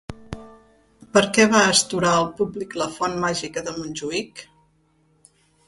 Per què va astorar al públic la Font màgica de Montjuïc?